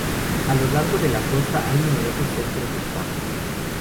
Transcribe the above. A lo largo de la costa hay numerosos centros de spa.